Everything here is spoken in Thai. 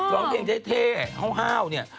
ร้องเพลงจะเท่าเนี้ย